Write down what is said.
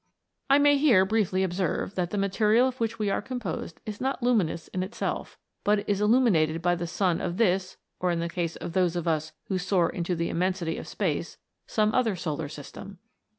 I may here briefly observe, that the material of which we are composed is not luminous in itself, but is illuminated by the sun of this, or, in the case of those of us who soar into the immensity of space, some other solar system.